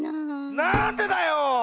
なんでだよ！